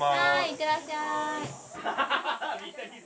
行ってらっしゃい。